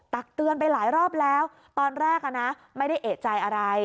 ตักเตือนไปหลายรอบแล้วตอนแรกอ่ะนะไม่ได้เอกใจอะไร